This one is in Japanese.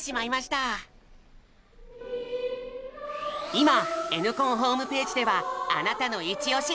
今Ｎコンホームページではあなたのイチオシ！